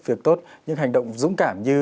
việc tốt những hành động dũng cảm như